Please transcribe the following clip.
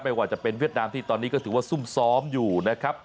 ไม่ว่าจะเป็นเวียดนามที่ตอนนี้ก็ถือว่าซุ่มซ้อมอยู่นะครับ